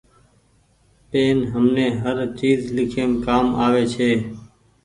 پين همني هر چيز ليکيم ڪآم آوي ڇي۔